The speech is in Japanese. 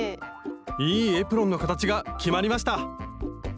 いいエプロンの形が決まりました